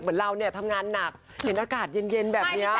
เราเนี่ยทำงานหนักเห็นอากาศเย็นแบบนี้